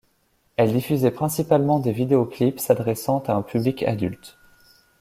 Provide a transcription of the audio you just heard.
Elle diffusait principalement des vidéoclips s'adressant à un public adulte.